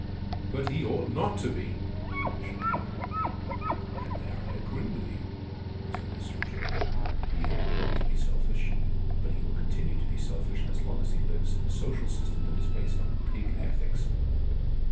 "But he ought not to be!" the Bishop cried. "And there I agree with you," was Ernest's rejoinder. "He ought not to be selfish, but he will continue to be selfish as long as he lives in a social system that is based on pig ethics."